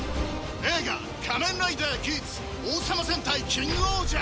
映画『仮面ライダーギーツ』『王様戦隊キングオージャー』